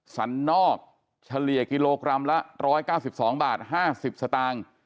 สันนอกเฉลี่ยกิโลกรัมละ๑๙๒บาท๕๐สตางค์